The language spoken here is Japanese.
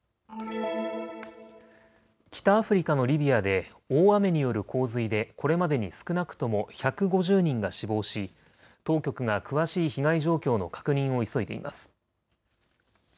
北アフリカのリビアで大雨による洪水でこれまでに少なくとも１５０人が死亡し当局が詳しい被害状況の確認を急いでいます。